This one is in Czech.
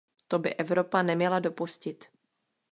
To by Evropa neměla dopustit.